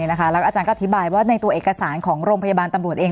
แล้วอาจารย์ก็อธิบายว่าในตัวเอกสารของโรงพยาบาลตำรวจเอง